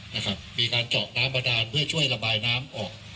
นะครับมีการเจาะน้ำบาดานเพื่อช่วยระบายน้ำออก